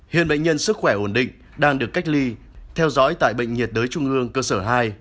hiện bệnh nhân sức khỏe ổn định đang được cách ly theo dõi tại bệnh nhiệt đới trung ương cơ sở hai